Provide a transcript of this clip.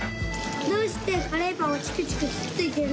どうしてカレーパンをチクチクつっついてるんですか？